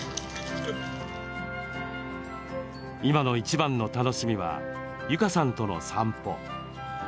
今のいちばんの楽しみは悠加さんとの散歩。